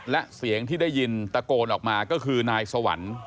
และเสียงที่ได้ยินตะโกนออกมาก็คือนายสวรรค์